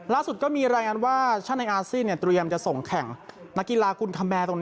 ล่าสุดก็มีรายงานว่าช่างในอาเซียนตรวยมจะส่งแข่งนักกีฬาคุณคาแมร์